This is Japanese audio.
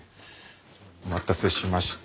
お待たせしました。